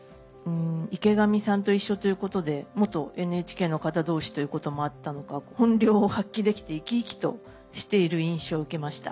池上さんと一緒ということで元ＮＨＫの方同士ということもあったのか本領を発揮できて生き生きとしている印象を受けました。